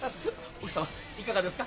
奥様いかがですか？